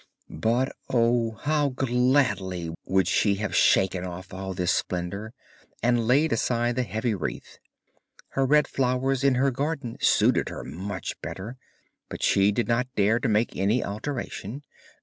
But oh! how gladly would she have shaken off all this splendour, and laid aside the heavy wreath. Her red flowers in her garden suited her much better, but she did not dare to make any alteration.